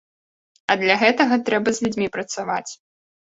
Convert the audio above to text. А для гэтага трэба з людзьмі працаваць.